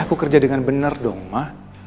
aku kerja dengan benar dong ma